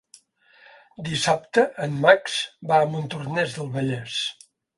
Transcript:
Dissabte en Max va a Montornès del Vallès.